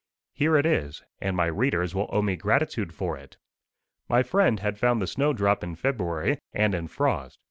Here it is, and my readers will owe me gratitude for it. My friend had found the snowdrop in February, and in frost.